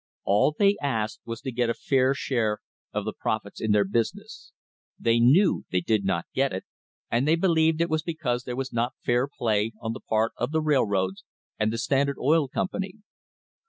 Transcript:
All they asked was to get a fair share of the profits in their business. They knew [ 190] A MODERN WAR FOR INDEPENDENCE they did not get it, and they believed it was because there was not fair play on the part of the railroads and the Standard Oil Company.